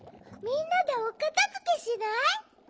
みんなでおかたづけしない？